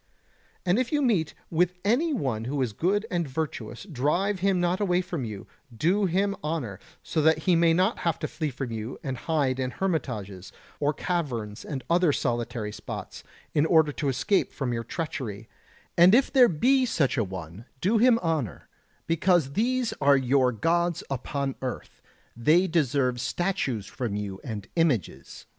And if you meet with any one who is good and virtuous drive him not away from you, do him honour, so that he may not have to flee from you and hide in hermitages, or caverns and other solitary spots, in order to escape from your treachery; and if there be such an one do him honour, because these are your gods upon earth, they deserve statues from you and images